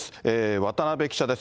渡辺記者です。